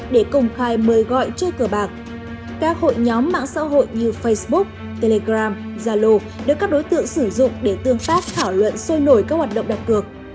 để công khai mời gọi chơi cờ bạc các hội nhóm mạng xã hội như facebook telegram zalo được các đối tượng sử dụng để tương tác thảo luận sôi nổi các hoạt động đặt cược